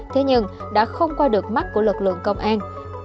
thế nhưng đã không qua được mắt của lực lượng công an